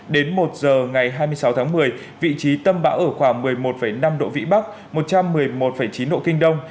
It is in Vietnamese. đến một giờ ngày hai mươi sáu tháng một mươi vị trí tâm bão ở khoảng một mươi một năm độ vĩ bắc một trăm một mươi một chín độ kinh đông